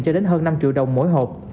cho đến hơn năm triệu đồng mỗi hộp